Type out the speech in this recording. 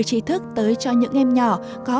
tri thức tới cho những em nhỏ có